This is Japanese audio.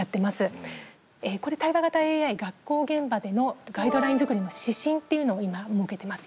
これ対話型ＡＩ学校現場でのガイドライン作りの指針っていうのを今設けてます。